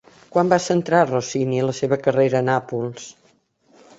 Quan va centrar Rossini la seva carrera a Nàpols?